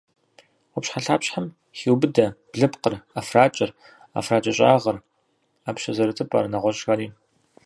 Къупщхьэлъапщхьэм хеубыдэ блыпкъыр, ӏэфракӏэр, ӏэфракӏэщӏагъыр, ӏэпщэ зэрытыпӏэр, нэгъуэщӏхэри.